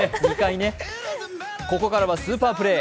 ここからはスーパープレー。